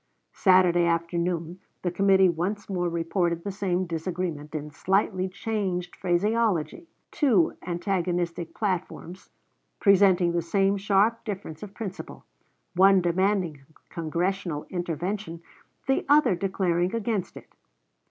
Saturday afternoon the committee once more reported the same disagreement in slightly changed phraseology; two antagonistic platforms, presenting the same sharp difference of principle one demanding Congressional intervention, the other declaring against it.